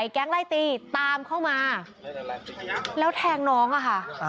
แก๊งไล่ตีตามเข้ามาแล้วแทงน้องอะค่ะ